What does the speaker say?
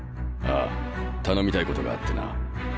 ああ頼みたいことがあってな。